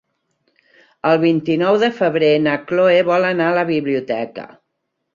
El vint-i-nou de febrer na Cloè vol anar a la biblioteca.